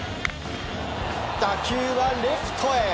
打球はレフトへ。